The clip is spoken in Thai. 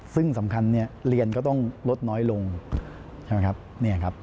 ซึ่งสำคัญเนี่ยเรียนก็ต้องลดน้อยลงใช่ไหมครับ